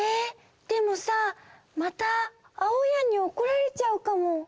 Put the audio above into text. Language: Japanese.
でもさまたあおやんにおこられちゃうかも。